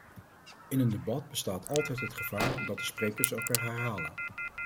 In een debat bestaat altijd het gevaar dat de sprekers elkaar herhalen.